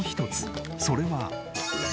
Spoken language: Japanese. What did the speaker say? それは。